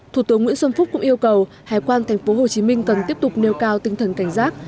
thủ tướng nguyễn xuân phúc cũng yêu cầu hải quan tp hcm cần tiếp tục nêu cao tinh thần cảnh giác